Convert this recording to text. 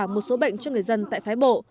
một số bệnh cho người dân tại phái bộ